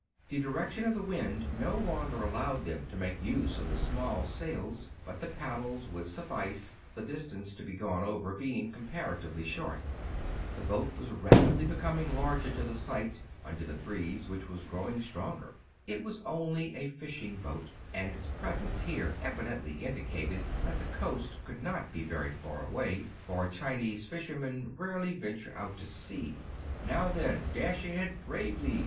The direction of the wind no longer allowed them to make use of the small sails ; but the paddles would suffice, the distance to be gone over being comparatively short. The boat was rapidly becoming larger to the DANGERS OF CAPT, BOYTON'S APPARATUS, 239 sight, under the breeze, which was growing stronger. It was only a fishing boat, and its pres ence here evidently indicated that the coast could not be very far away ; for Chinese fishermen rarely venture out to sea. "Now, then, dash ahead bravely!"